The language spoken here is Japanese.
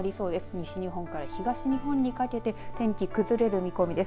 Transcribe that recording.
西日本から東日本にかけて天気崩れる見込みです。